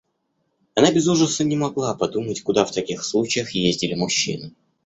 Она без ужаса не могла подумать, куда в таких случаях ездили мужчины.